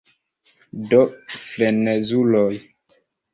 Do, frenezuloj.